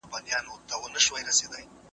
د موضوع تحلیل باید منطقي وي.